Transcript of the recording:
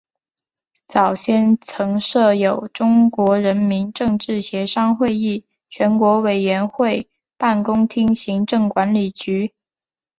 早先曾设有中国人民政治协商会议全国委员会办公厅行政管理局。